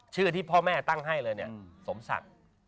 ชื่อที่พ่อแม่ตั้งให้เลยสมศักดิ์